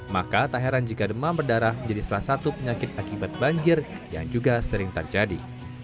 maka tak heran jika demam berdarah menjadi salah satu penyakit akibat banjir yang juga sering terjadi